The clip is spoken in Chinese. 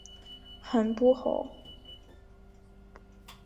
很不好！